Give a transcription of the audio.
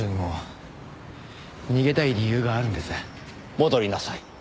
戻りなさい。